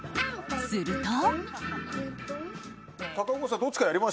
すると。